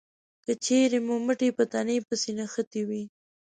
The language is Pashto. که چېرې مو مټې په تنې پسې نښتې وي